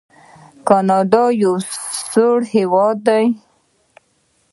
کاناډا یو سوړ هیواد دی.